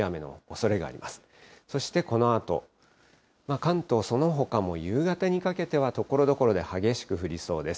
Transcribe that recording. そしてこのあと、関東そのほかも夕方にかけてはところどころで激しく降りそうです。